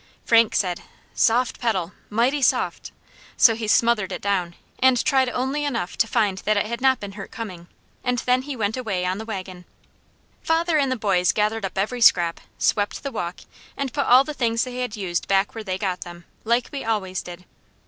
Frank said: "Soft pedal! Mighty soft!" So he smothered it down, and tried only enough to find that it had not been hurt coming, and then he went away on the wagon. Father and the boys gathered up every scrap, swept the walk, and put all the things they had used back where they got them, like we always did.